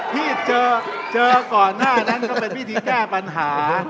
ที่เจอก่อนหน้านั้นก็เป็นพิธีแก้ปัญหา